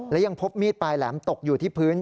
และยังพบมีดปลายแหลมตกอยู่ที่พื้น